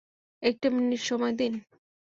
একটা মিনিট সময় দিন?